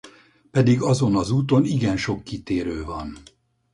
Pedig azon az úton igen sok kitérő van.